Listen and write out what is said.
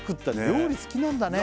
料理好きなんだね